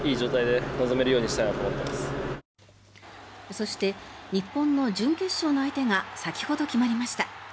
そして、日本の準決勝の相手が先ほど決まりました。